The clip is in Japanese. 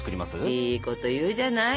いいこと言うじゃない。